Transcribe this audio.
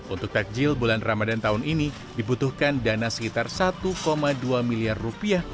untuk takjil bulan ramadan tahun ini dibutuhkan dana sekitar satu dua miliar rupiah